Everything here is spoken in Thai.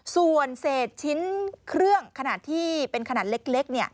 ส่วนเศษชิ้นเครื่องขนาดที่เป็นขนาดเล็ก